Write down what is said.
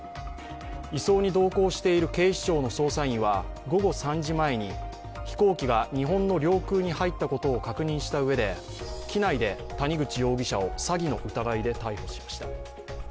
移送に同行している警視庁の捜査員は午後３時前に飛行機が日本の領空に入ったことを確認したうえで機内で谷口容疑者を詐欺の疑いで逮捕しました。